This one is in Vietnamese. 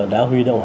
đã huy động